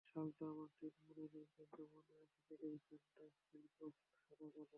সালটা আমার ঠিক মনে নেই, কিন্তু মনে আছে টেলিভিশনটা ফিলিপস সাদাকালো।